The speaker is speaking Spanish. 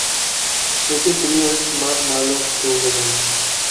Ese crío es más malo que un demonio